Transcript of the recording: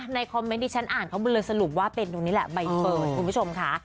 คอมเมนต์ที่ฉันอ่านเขาบุญเลยสรุปว่าเป็นตรงนี้แหละใบเฟิร์นคุณผู้ชมค่ะ